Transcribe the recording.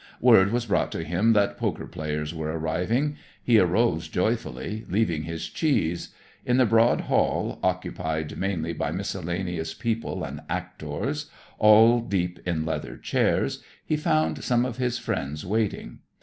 "Word was brought to him that poker players were arriving. He arose joyfully, leaving his cheese. In the broad hall, occupied mainly by miscellaneous people and actors, all deep in leather chairs, he found some of his friends waiting.